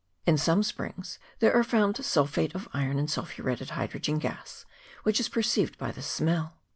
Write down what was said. In some springs there are also found sulphate of iron and sulphuretted hydrogen gas, which is perceived by the smell.